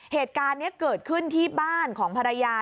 เหตุการณ์นี้เกิดขึ้นที่บ้านของภรรยา